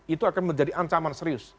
itu akan menjadi ancaman serius